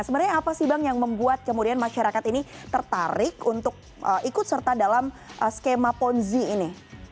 sebenarnya apa sih bang yang membuat kemudian masyarakat ini tertarik untuk ikut serta dalam skema ponzi ini